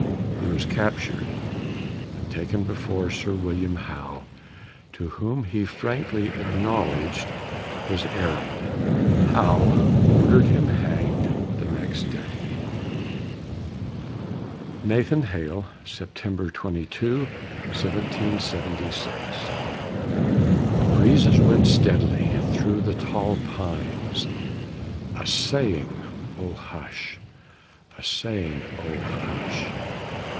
He was captured and taken before Sir William Howe, to whom he frankly acknowledged his errand. Howe ordered him hanged next day. NATHAN HALE [September 22, 1776] The breezes went steadily thro' the tall pines, A saying "Oh! hu ush!" a saying "Oh! hu ush!"